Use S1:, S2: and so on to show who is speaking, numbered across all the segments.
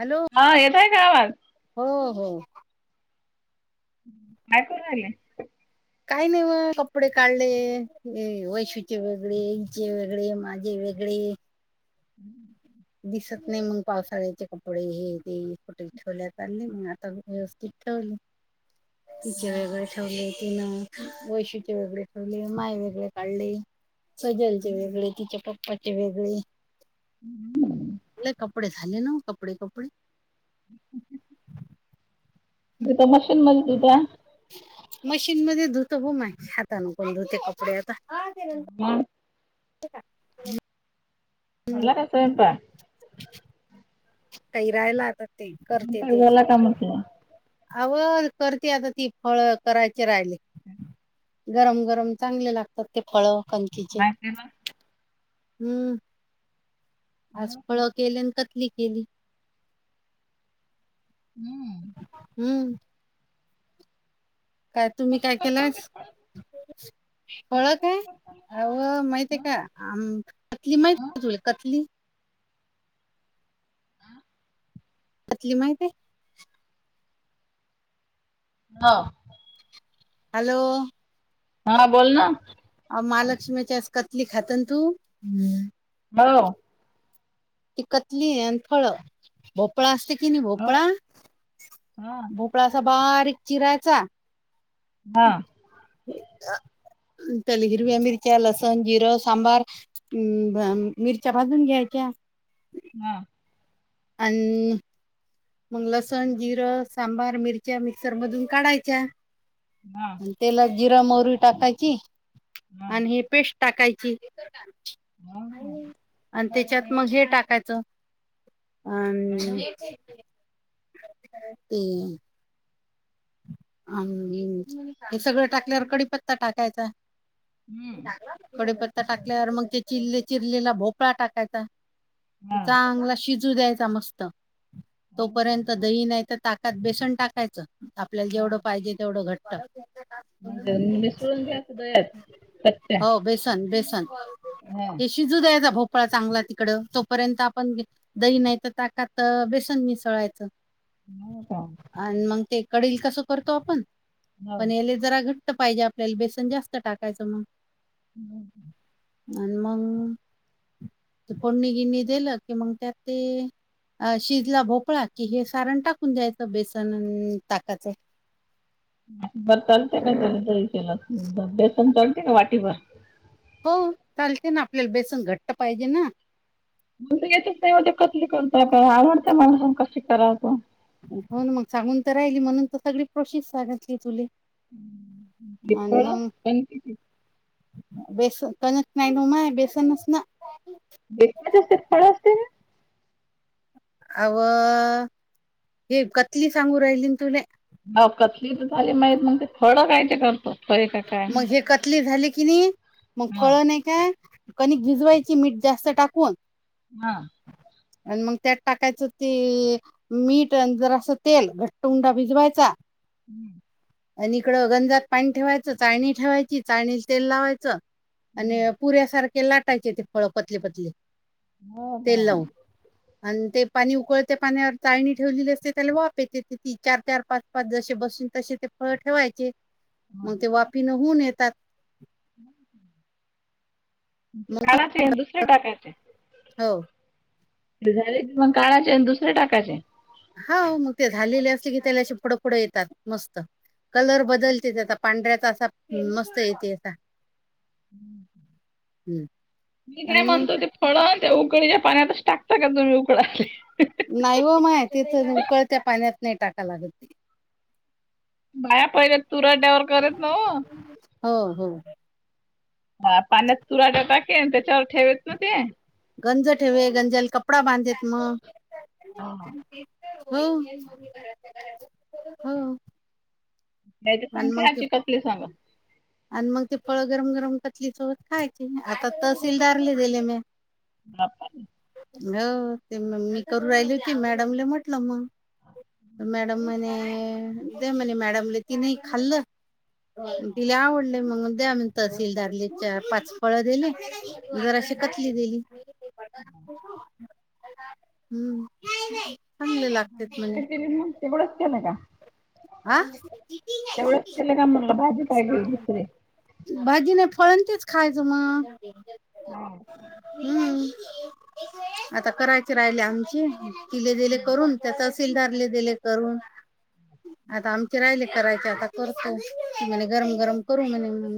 S1: Hello.
S2: हा येतोय का आवाज?
S1: हो हो.
S2: काय करु राहिले?
S1: काय नाही ओ कपडे काढले. वैशूचे वेगळे, यांचे वेगळे, माझे वेगळे.
S2: [inaudible]
S1: दिसत नाही मग पावसाळ्याचे कपडे हे ते कुठे ठेवलेत, काढले मी आता व्यवस्थित ठेवले.
S2: [inaudible]
S1: [unintelligible] ठेवले [unintelligible] वैशूचे वेगळे काढले, माझे वेगळे काढले, सुजलचे वेगळे, तीच्या पप्पा ते वेगळी.
S2: हम्म.
S1: तूले कपडे झाले ना ओ कपडे कपडे.
S2: मी तर मशीनमध्ये धुत्या.
S1: मशीनमध्ये धुतो वो माय, हातांनी कोन धुते कपडे आता.
S2: हं [unintelligible]
S1: ठेऊ का?
S2: झाला का स्वयंपाक?
S1: काही राहिला तर
S2: मोकळ‌ झाला का म्हंटलं?
S1: अहो करते आता ती, फळ करायचे राहिले. गरम गरम चांगले लागतात ते फळ कनकिचे हम्म. आज
S2: हो का
S1: फळ केली आणि कतली केली.
S2: हम्म.
S1: हम्म. काय तुम्ही काय केलास?
S2: फळं
S1: ओळख
S2: कशी
S1: आहे?
S2: करता
S1: अहो माहिती आहे
S2: मग
S1: का? आम कतली माहिती
S2: ह
S1: आहे का तूला कतली?
S2: आ?
S1: कतली माहिती आहे?
S2: हो.
S1: हॅलो.
S2: हा बोल ना.
S1: अ महालक्ष्मीची आस कतली खात ना तू?
S2: मग ओ?
S1: ती कतली आणि फळ भोपळा असते कि नाही,
S2: हा
S1: भोपळा?
S2: हा
S1: भोपळा असा बारीक चिरायचा.
S2: हा.
S1: त्याला हिरव्या मिरच्या, लसन, जिरा सांबार हम्म भा मिरच्या भाजून घ्याच्या.
S2: हा.
S1: आन. मग लसण जिरं सांबार मिरच्या, मिक्सर मधून काढायच्या.
S2: हा
S1: आणि तेलात जिरा म्हवरी टाकायची आणि ही पेस्ट टाकायची.
S2: हा हा.
S1: आणि त्याच्यात मग हे टाकायचं अ
S2: काय
S1: ते अन उम हे सगळं टाकल्यावर कडीपत्ता टाकायचा.
S2: हम्म
S1: कडीप टाकल्यावर मग ते चिरले चिरलेला भोपळा टाकायचा,
S2: हा
S1: चांगला शि जू द्यायचा मस्त,
S2: हो का
S1: तोपर्यंत दही नाही तर ताकात बेसन टाकायच. आपल्याला
S2: हा
S1: जेवढं पाहिजे तेवढं घट्ट.
S2: म्हणजे मिसळून घ्यायचं दह्यात कच्च्या
S1: हो बेसन बेसन.
S2: हा.
S1: हे शिजू द्यायचा भोपळा चांगला तिकडं, तोपर्यंत आपण गीत. दही नाही तर ताकात बेसन मिसळायचं.
S2: हो का?
S1: आणि मग ते कडील कसं करतो आपण?
S2: हो
S1: पणइले. जरा घट्ट पाहिजे आपल्याला, बेसन जास्त टाकायचं मग.
S2: हम्म.
S1: आणि मग कोडणी गिनी दिलं, कि मग त्यात ते. अ शिजला भोपळा कि हे सारण टाकून द्यायचं, बेसन अन ताकच.
S2: बर तलते का त्यारी केला, बेसन तलते का वाटी बर?
S1: हो चालते ना आपल्याला बेसन घट्ट पाहिजे ना.
S2: मला येतंच नाही ओ ती कसली कोण फळं आवडतंय मला पण कसं करायचं?
S1: होन मग सांगून तर राहिली, म्हणून तर सगळी प्रोसेस सांगितली तुले.
S2: ती फळं पण किती?
S1: बेसनणच बनत नई पण नई बेसनच ना?
S2: भेटच असते फळं.
S1: अवं हे कतली सांगू राहिली तुले?
S2: ह कथली तर झाली माहीत मग ते फळं काय ते करतो, फळे काय?
S1: मग हे कतली झाली की नाही, मग
S2: हां
S1: फळ नाही काय, कणीक भिजवायची मीठ जास्त टाकून.
S2: हा.
S1: आणि मग त्यात टाकायचं ते मीठ अन जरास तेल घट्ट उंडा भिजवायचा.
S2: हम्म.
S1: आणि इकडं गंजात पाणी ठेवायचं, चाळणी ठेवायची चाळणी तेल लावायचं आणि पुऱ्यासारखे लाटायचे ते फळ पतले पतले.
S2: हो
S1: तेल
S2: हो
S1: लाऊ. आणि, ते पाणी उकळते पाण्यावर चाळणी ठेवलेली असते त्याला वाफ येते ती चार, चार, पाच, पाच जसे बसून तसे ते फळ ठेवायची. मग, ते वाफी न होऊन येतात. मग
S2: काढाचे दुसरे टाकायचे.
S1: हो
S2: झाले की मग काढाचे आणि दुसरे टाकायचे.
S1: हाव मग, ते झालेले असते की ते अशी पुढं पुढं येतात मस्त. कलर बदलते ते आता पांढऱ्याचा असा मस्त येते आता.
S2: हम्म. मी काय
S1: आणि मग
S2: म्हणतो, ते फळ त्या उकळीच्या पाण्यातच टाकता का तुम्ही उकळाले.
S1: नाही व माय तिथ उकळत पाण्यात नाही टाकाय लागत ते.
S2: बाया पहिल्या तुरड्यावर करत नव्हं
S1: हो. हो.
S2: हा, पाण्यात तूराटा टाके त्याच्यावर ठेवेेत ना ते
S1: गंज ठेवे, गंजाला कपडा बांधेत मग.
S2: हावू ना
S1: हो. हो
S2: त्याची
S1: आणि मग
S2: संख्या
S1: ते
S2: आची कसली सांगा.
S1: आणि मग ती फळं गरम गरम कचली सोबत खायची, आता तहसीलदारला दिेले मी
S2: बापा
S1: हो ते मम्मी करू राहिली होती, मॅडमले म्हटलं मग. मॅडम, म्हणे दया म्हणे मॅडम ला तिने ही खाल्लं. तिला आवडले मग द्या मी तहसीलदारला पाच फळं दिले. जराशी कतली दिली. हम्म. चांगले लागतेत म्हणे,
S2: केली मग तेवढंच केलं का?
S1: हा
S2: तेवढच केलं का म्हणलं भाजी पाहिजे दुसरी.
S1: भाजी नाही फळं तेच खायचं मग,
S2: हम्म.
S1: हम्म. आता करायच राहिले आमची तीले दिले करून. त्या तहसीलदारले दिले करून. आता आमचे राहिले करायचे, आता करतो म्हणे गरम गरम करू म्हणे म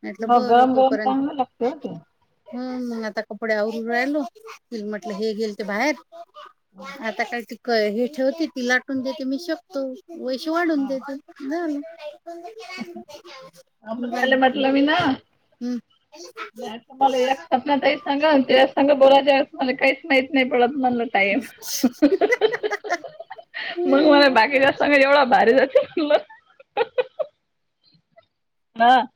S1: मी
S2: हो गरम गरम चांगलं लागतय ओ ते.
S1: हम्म. मग, आता कपडे आवरून राहिलो तिले म्हटलं हे गेलते बाहेर. आता कायते हे ठेवते, ती लाटून देते मी शेकतो. [unintelligible] वाढून
S2: हा
S1: देत झालं
S2: अमृताला
S1: बरं.
S2: म्हटलं मी ना नाही तुम्हाला एक स्वप्ना ताई, सांगा ते सांग बोलायच्या तुम्हाला काही माहीत नाही पडत म्हणलं, टाईम मग मला बाकी जास्त सगळ एवढं भारी जाते म्हटलो. हा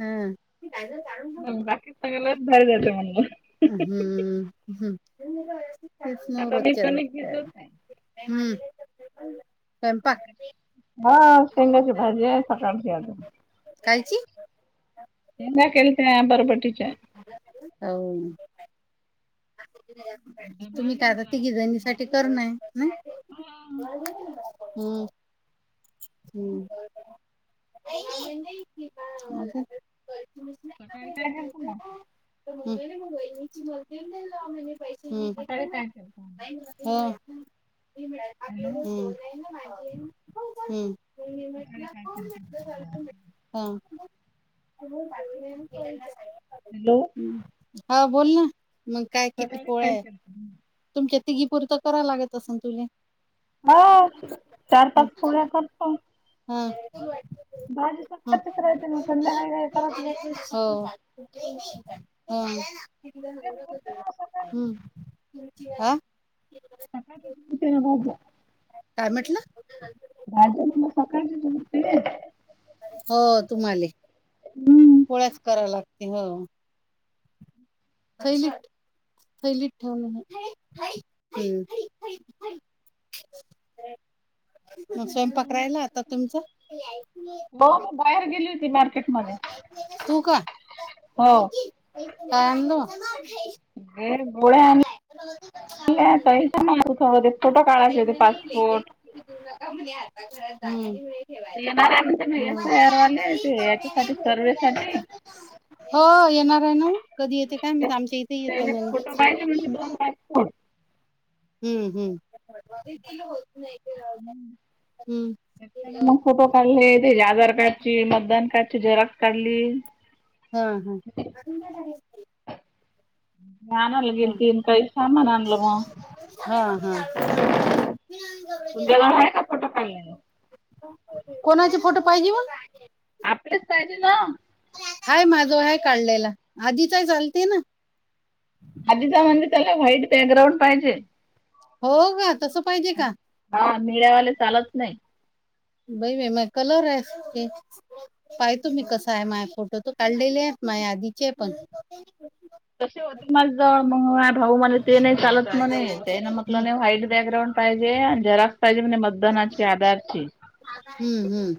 S1: हम्म. काय करू काढून.
S2: मग, बाकी सगळ लय भारी जाते म्हणलं.
S1: हम्म. हम्म. तेच ना
S2: आता मी
S1: रोजच्या
S2: कणिक
S1: रोजच आहे
S2: भिजवत
S1: मग, हम्म. स्वयंपाक
S2: हा, शेंगाची भाजी आहे सकाळची आजून
S1: कायची
S2: शेंगा केलत्या बरबटीच्या.
S1: हो.
S2: डबा
S1: तुम्ही काय
S2: आणून
S1: आता
S2: दिला.
S1: तिघीजनीसाठी कर नाय
S2: हा
S1: हम्म. हम्म.
S2: सकाळी काय झालत मग?
S1: [unintelligible] हम्म.
S2: सकाळीचाय.
S1: हो, हम्म. हम्म. हो.
S2: हॅलो.
S1: हा बोल ना, मंग काय किती पोळ्या येत. तुमच्या तिघीपुर्त करावं लागत असन तुले?
S2: हो. चार पाच पोळ्या करते.
S1: हा.
S2: सकाळचीच राहते मग संध्याकाळी
S1: ह
S2: काय करत नाही.
S1: हो. ह
S2: तेच उरते ना सकाळ
S1: हम्म, आ?
S2: दे बो हम्म हम्म.
S1: काय म्हटलं?
S2: राजूने सकाळी दूध पिले.
S1: हो तुम्हाले.
S2: हम्म
S1: पोळ्याच कराव लागते हो. थैलीत थैलीत ठेवीन, हं.
S2: [inaudible]
S1: मगं
S2: मी काय
S1: स्वयंपाक
S2: बोललो
S1: राहिला, आता तुमचा.
S2: हो मी बाहेर गेली, होती मार्केट.
S1: तू का,
S2: हो.
S1: काय आणलं.
S2: हे गोळ्या आण तहीस मारूत कुठं काढायचे ते पासपोर्ट?
S1: हम्म.
S2: येणारे म्हणते एस आय आर वाले, ते हेच्यासाठी सर्वे साठी.
S1: हो येणार आहे ना, कधी येते काय माहित आमच्या इथे येतो
S2: त्याले
S1: म्हणे
S2: हो
S1: हम्म हम्म.
S2: मग फोटो काढलेत. हेे आधार कार्डची, मतदान कार्डची झेरॉक्स काढली.
S1: हा हा.
S2: काय आणायला
S1: हा.
S2: गेलतरी अन काय सामान आणलं मग?
S1: हा हा.
S2: उदयाला आहे का फोटो काढलेलं?
S1: कोणाचे फोटो पाहिजे म हो?
S2: [unintelligible]
S1: हाय माझं जवळ आहे काढलेला आधीचाय चालतंय ना?
S2: आधीचा म्हणजे त्याला व्हाईट बॅकग्राऊंड पाहिजे.
S1: हो का तसं, पाहिजे कां.
S2: हा निळेवाले चालत नाही.
S1: बई बा म कलर आहे, पाह तुम्ही कस आहे माझ फोटोत. तू काढलेले माझ्या, आधीचे पण.
S2: तसे होत माझ्याजवळ, मग माझा भाऊ म्हणला ते नाही चालत मणे ते ना
S1: हम्म
S2: म्हटलं नाही व्हाईट बॅकग्राउंड. पाहिजे आणि झेराक्स पाहिजे म्हणे मतदानाची आधारची.
S1: हम्म हम्म.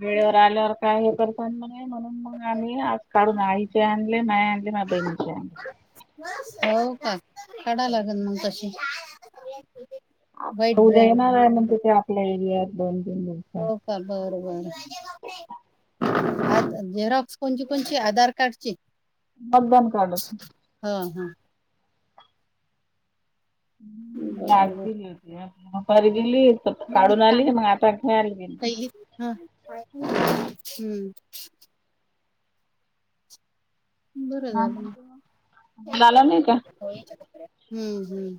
S2: वेळेवर आल्यावर काय हे कर नाही म्हण. मग आ आज काढून आईचे आणले माय आणले, माझ बहिणीचे आणले.
S1: हो का? काढा लागेल मग तशे
S2: उद्या येणार म्हणते ते, आपल्या एरियात दोन तीन दिवसात
S1: हो का बरोबर आ झेरॉक्स कोणची कोणची आधार कार्डची.
S2: मतदान कार्डाची
S1: ह हा.
S2: लाईट गेली होती. दुपारी गेली तर काढून आली, मग आता खेळायला गेली.
S1: पहिली हा हम्म. बरं झालं
S2: झाला नाही का?
S1: हम्म. हम्म.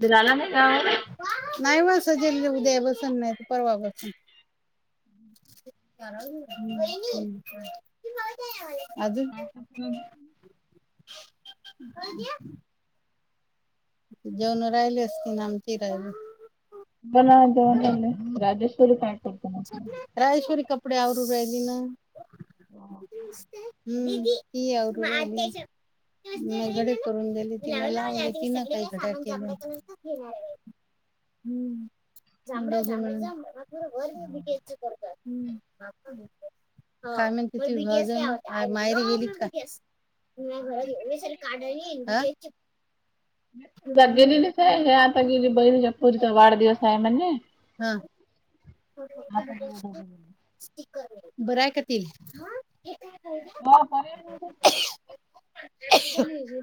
S2: दीर आला नाही गावाला
S1: नाही व सहज आले उद्या बसलं नाही तर परवा बसल. अजून [unintelligible] जेवणं राहिले असतील ना आमचे राहिले.
S2: बनवा जेवण म्हणले राजेश्वरी काय करते मग?
S1: राजेश्वरी, कपडे आवरू राहिली ना हम्म. मी घडी करून दिले, तीन लावल तीन काही हे काय केलं हमं. हंम. काय म्हणती, तुझी भाऊजई आज माहेरी गेलीत काय? हा
S2: कुठे गेली बाई, तिच्या पोरीचा वाढदिवसा आहे म्हणे
S1: हा.
S2: हा पण दोघे जण
S1: बरं हाय तील
S2: हो बरी [unintelligible]
S1: ह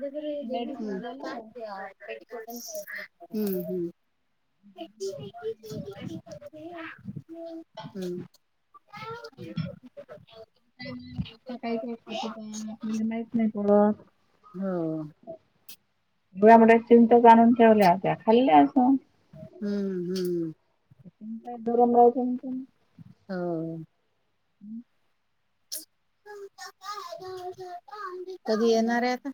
S2: लेडीज दिलं
S1: हम्म. हम्म.
S2: बोला
S1: हम्म.
S2: काही काय करतेत आपलेला माहीत नाही पूरतं
S1: हो
S2: ह बोंबलत चिंच आणून ठेवल्या होत्या खाल्ल्या असणं.
S1: हम्म, हम्म.
S2: तुम्ही काय गरम राहय टेन्शन
S1: हो.
S2: हम्म.
S1: कधी येणार आहे आता.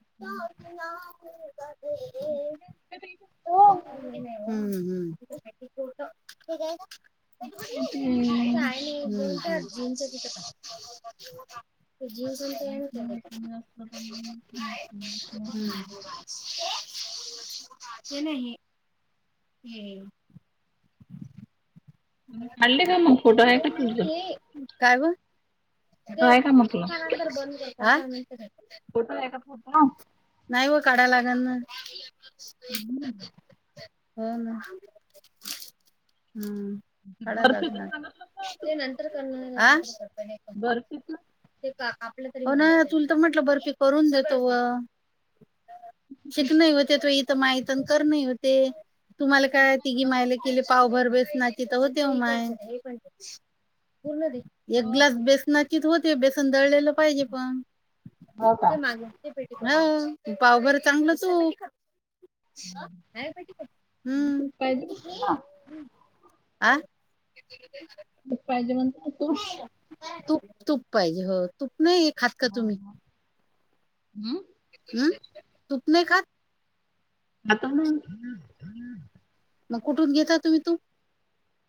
S1: [unintelligible]
S2: [unintelligible]
S1: हम्म. हम्. हम्म. हम्म. तुझी सून काय नाही केलं काय. [inaudible] ते नाही हे
S2: खाल्ले का मग खोट नाही का तुझं.
S1: काय हो?
S2: फोटो आहे का म्हटलं
S1: आ
S2: फोटो आहे काय फोटो.
S1: नाही व काढाय लागल ना, हो ना, हम्म. काडाय
S2: बर्फीच
S1: लागणार
S2: सांगितलं ना तू
S1: ते, नंतर करणार आं..
S2: बर्फीच
S1: ओ नाय अजून तर म्हटलं बर्फी करून देतो व. शिकणे होते तर इथे मै तन करणे होते तुम्हाला काय तिघी मिळाले [unintelligible] केले पावभर बेसनाचे, तव देव माय पूर्ण दे. एक ग्लास
S2: हो
S1: बेसनाचीच होती, बेसन दळलेलं पाहिजे पण ते मग. हं.. पाव बरं चांगलं तुप. हम्.
S2: पाहिजे ना
S1: आं..
S2: पाहिजे म्हण तू तो,
S1: तूप तूप पाहिजे हो तूप नाही खात का तुम्ही,
S2: हम्म
S1: हम.. तूप नाही खात.
S2: आता म्हण.
S1: मग कुठून घेता, तुम्ही तूप.